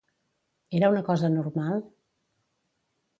Era una cosa normal?